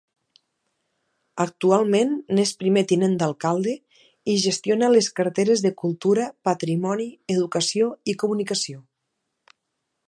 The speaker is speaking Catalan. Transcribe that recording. Actualment n'és primer tinent d'alcalde i gestiona les carteres de Cultura, Patrimoni, Educació i Comunicació.